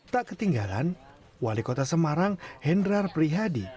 tak ketinggalan wali kota semarang hendrar prihadi